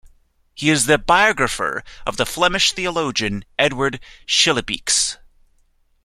He is the biographer of the Flemish theologian Edward Schillebeeckx.